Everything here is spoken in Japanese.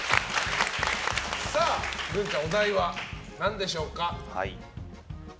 グンちゃん、お題は何でしょうか。